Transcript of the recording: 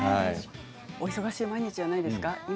忙しい毎日じゃないですか。